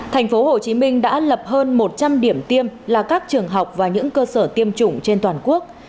thành phố hồ chí minh đã lập hơn một trăm linh điểm tiêm là các trường học và những cơ sở tiêm chủng trên toàn quốc